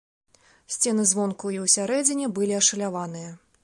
Сцены звонку і ўсярэдзіне былі ашаляваныя.